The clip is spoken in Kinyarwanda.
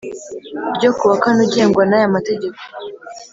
ryo kuwa kane ugengwa n aya mategeko